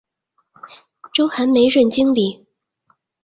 周寒梅任经理。